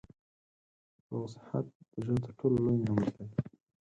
روغ صحت د ژوند تر ټولو لوی نعمت دی